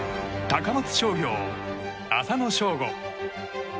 高松商業、浅野翔吾。